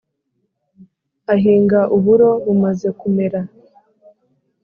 ahinga uburo. bumaze kumera